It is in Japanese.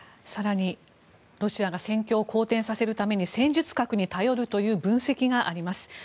ロシアが戦況を好転させるために戦術核に頼るという戦術があります。